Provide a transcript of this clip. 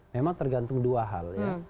memang tergantung dua hal